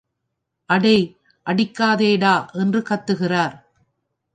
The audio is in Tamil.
அடே அடிக்காதேடா என்று கத்துகிறார்.